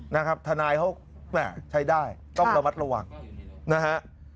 นะครับทนายเขาแม่ใช้ได้ต้องระมัดระวังนะฮะ